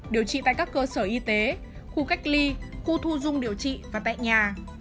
điều trị tại các cơ sở y tế khu cách ly khu thu dung điều trị và tại nhà